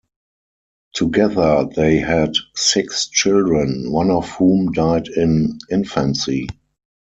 Together they had six children, one of whom died in infancy.